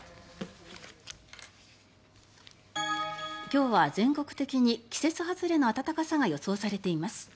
今日は全国的に季節外れの暖かさが予想されています。